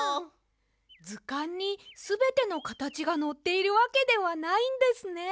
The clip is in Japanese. ずかんにすべてのかたちがのっているわけではないんですね。